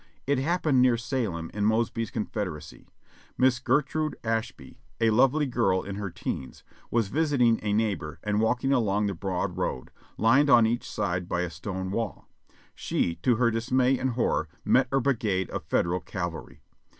It happened near Salem in Mosby's Confederacy. Miss Gertrude Ashby, a lovely girl in her teens, was visiting a neighbor, and walking along the broad road, lined on each side by a stone wall, she, to her dismay and horror, met a brigade of Federal cavalry.